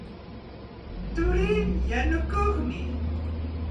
Turii yanukuqmi.